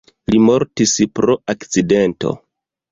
Li mortis pro akcidento.